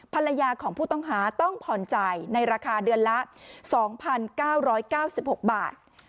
ภรรยาของผู้ต้องหาต้องผ่อนจ่ายในราคาเดือนละ๒๙๙๖บาท